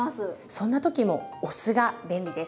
そんな時もお酢が便利です。